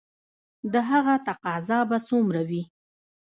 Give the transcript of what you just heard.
د هغه تقاضا به څومره وي؟